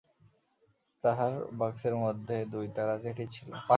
তাহার বাক্সের মধ্যে দুইতাড়া চিঠি ছিল।